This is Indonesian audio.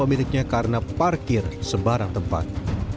sedangkan pemiliknya karena parkir sebarang tempat